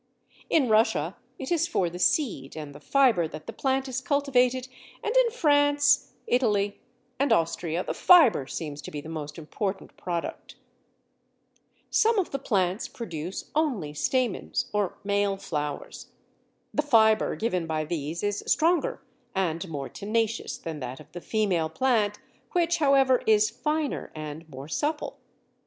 In Russia it is for the seed and the fibre that the plant is cultivated, and in France, Italy, and Austria the fibre seems to be the most important product. Some of the plants produce only stamens or male flowers. The fibre given by these is stronger and more tenacious than that of the female plant, which, however, is finer and more supple.